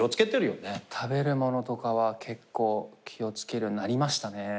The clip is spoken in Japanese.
食べるものとかは結構気を付けるようになりましたね。